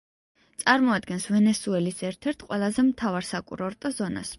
წარმოადგენს ვენესუელის ერთ-ერთ ყველაზე მთავარ საკურორტო ზონას.